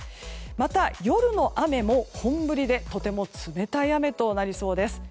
また、夜の雨も本降りでとても冷たい雨となりそうです。